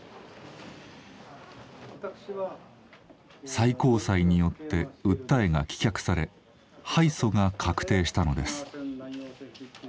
最高裁によって訴えが棄却され敗訴が確定したのです。